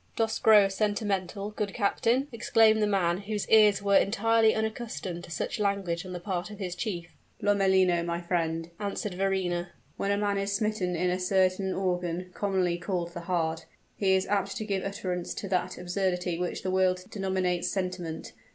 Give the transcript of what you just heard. "Dost grow sentimental, good captain?" exclaimed the man, whose ears were entirely unaccustomed to such language on the part of his chief. "Lomellino, my friend," answered Verrina, "when a man is smitten in a certain organ, commonly called the heart, he is apt to give utterance to that absurdity which the world denominates sentiment.